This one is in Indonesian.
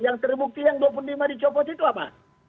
yang terbukti yang dua puluh lima dicopot itu apa